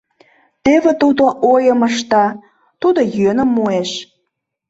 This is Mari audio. Теве тудо ойым ышта, тудо йӧным муэш.